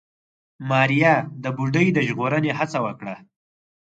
ماريا د بوډۍ د ژغورنې هڅه وکړه.